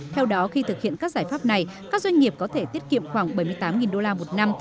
theo đó khi thực hiện các giải pháp này các doanh nghiệp có thể tiết kiệm khoảng bảy mươi tám đô la một năm